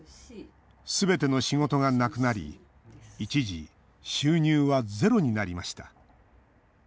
すべての仕事がなくなり一時、収入はゼロになりました。